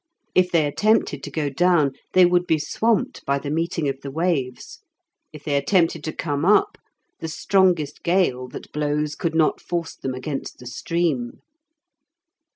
If they attempted to go down, they would be swamped by the meeting of the waves; if they attempted to come up, the strongest gale that blows could not force them against the stream.